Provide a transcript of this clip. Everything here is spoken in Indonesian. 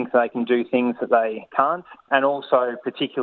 kadang kadang mereka pikir mereka bisa melakukan hal yang mereka tidak bisa